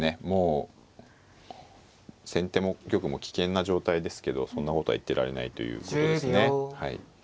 もう先手も玉も危険な状態ですけどそんなことは言ってられないということですね。